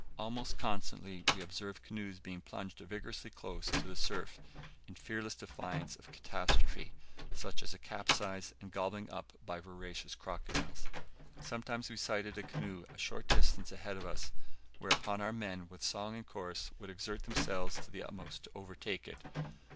Almost constantly we observed canoes being punted vigorously close to the surf, in fearless defiance of a catastrophe, such as a capsize and gobbling up by voracious crocodiles. Sometimes we sighted a canoe a short distance ahead of us; whereupon our men, with song and chorus, would exert themselves to the utmost to overtake it.